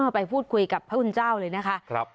ไปพูดคุยกับพระคุณเจ้าเลยนะคะ